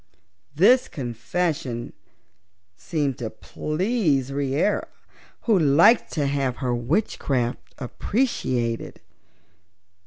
This confession seemed to please Reera, who liked to have her witchcraft appreciated.